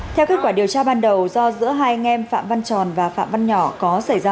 theo kết quả điều tra ban đầu do giữa hai anh em phạm văn tròn và phạm văn nhỏ có xảy ra